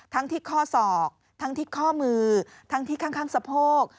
ทั้งที่ข้อศอกทั้งที่ข้อมือทั้งที่ข้างสะโพก